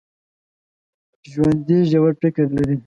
ژوندي ژور فکر لري